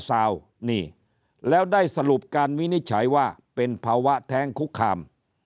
ซาวนี่แล้วได้สรุปการวินิจฉัยว่าเป็นภาวะแท้งคุกคาม